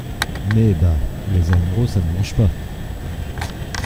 Mais, bah ! les amoureux, ça ne mange pas !